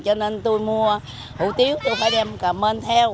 cho nên tôi mua hủ tiếu tôi phải đem gạo mên theo